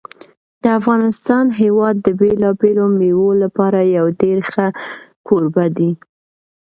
د افغانستان هېواد د بېلابېلو مېوو لپاره یو ډېر ښه کوربه دی.